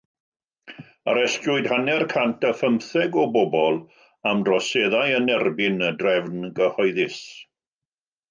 Arestiwyd hanner cant a phymtheg o bobl am droseddau yn erbyn y drefn gyhoeddus.